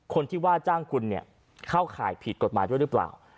คนที่ว่าจ้างคุณเนี่ยเข้าข่ายผิดกฎหมายด้วยหรือเปล่า